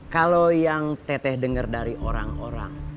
kalau yang teteh dengar dari orang orang